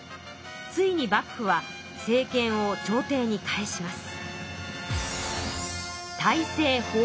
ついに幕府は政権を朝廷に返します。